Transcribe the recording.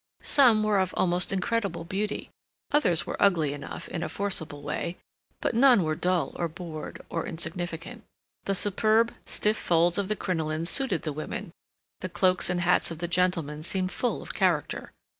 Some were of almost incredible beauty, others were ugly enough in a forcible way, but none were dull or bored or insignificant. The superb stiff folds of the crinolines suited the women; the cloaks and hats of the gentlemen seemed full of character.